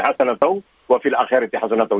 hasanatau wa fil akhirati hasanatau